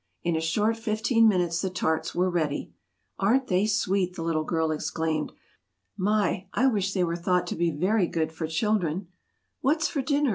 In a short fifteen minutes the tarts were ready. "Aren't they sweet!" the little girl exclaimed. "My! I wish they were thought to be very good for children!" [Illustration: "Aren't they sweet!"] "What's for dinner?"